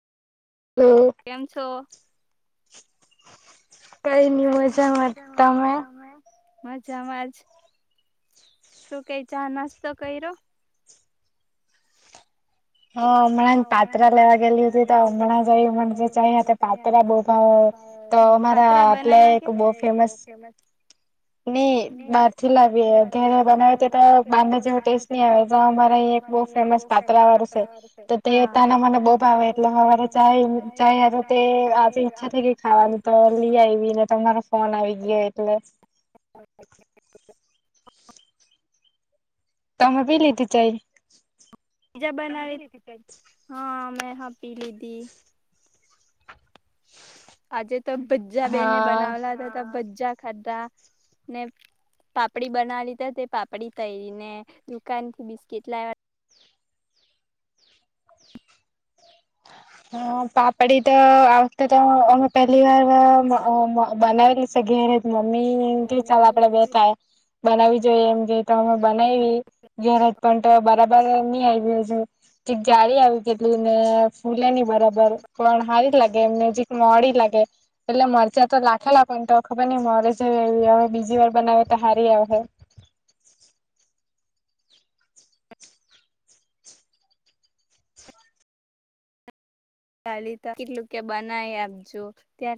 hello કેમ છો બસ મજામાં તમે મજામાંજ શું કઈ ચા નાસ્તો કર્યો હા હમણાં પાત્રા લેવા ગયેલી હતી તો હમણાં જ [unintelligible] પાત્રા હ તો અમારા [unintelligible] બહ ફેમસ નઈ બારથી લાવીએ ઘેરે બનાવે ત તો બારને જેવો ટેસ્ટ નહી આવે ને અમારે આયા એક બહુ ફેમસ પાત્રા વાળ તો તે ત્યાંના મને બહુ ભાવે એટલે હવારે ચાય ચા તે આજ ઈચ્છા થઈ ગ ખાવાનું તો લી આવી ને તમારો ફોન આવી ગયો એટલે [unintelligible] તમે બી લીધી ચાય બીજા બનાવી દીધી હ હા મેં પી લીધી આજે તો પજા બેને બનાવેલા હતા તો ભજા ખાધા ને પાપડી બનાવી લીધ તે પાપડી તઈને દુકાન થી બિસ્કીટ લાવવા હ પાપડી તો આ વખતે તો અમે પહેલી વાર અ બનાવેલી છે ઘેરે મમ્મી એમ કે ચાલ આપડે બે થાય બનાવી જોઈએ એમ કે તો અમે બનાય વી ઘેરજ પણ તો બરાબર ની આયવો જાળી આવી કેટલી ને ભૂલે નની બરાબર પણ હારી લાગે એમ જરીક મોડી લાગે એટલે મરચાં તો નાખેલાને તો ખબર નઈ મોરે જ એવી હવે બીજી વાર બનાવે તો હારી આવે હે ચાલી તો કેટલું કે બનાય આપજો ત્યારે